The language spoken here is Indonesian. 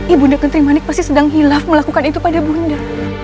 ibu nda gentri manik pasti sedang hilaf melakukan itu pada ibu nda